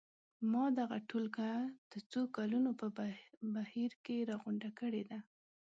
ما دغه ټولګه د څو کلونو په بهیر کې راغونډه کړې ده.